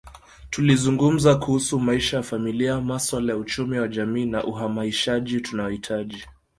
Tulizungumza kuhusu maisha ya familia masuala ya uchumi wa jamii na uhamaishaji tunaohitaji